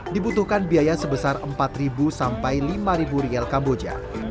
dibutuhkan biaya sebesar rp empat sampai rp lima riel kamboja